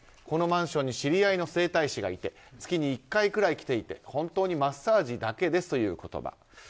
このマンションに知り合いの整体師がいて月に１回くらい来ていて本当にマッサージだけですという言葉。